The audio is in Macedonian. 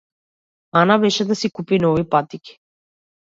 Ана беше да си купи нови патики.